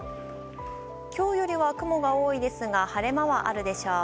今日よりは雲が多いですが晴れ間はあるでしょう。